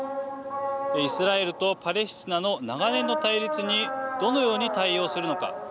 イスラエルとパレスチナの長年の対立にどのように対応するのか。